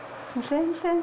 全然。